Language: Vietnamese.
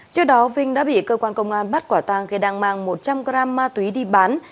trước đó vinh đã bị cơ quan công an bắt quả tang khi đang mang một trăm linh g ma túy đi bán